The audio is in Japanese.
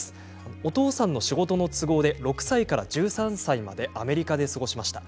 お父さんの仕事の都合で６歳から１３歳までアメリカで過ごしました。